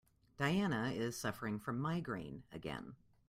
Diana is suffering from migraine again.